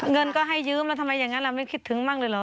เงินก็ให้ยืมทำไมไม่คิดถึงบ้างเลยหรอ